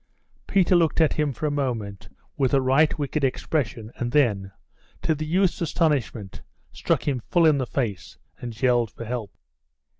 Peter looked at him for a moment with a right wicked expression, and then, to the youth's astonishment, struck him full in the face, and yelled for help.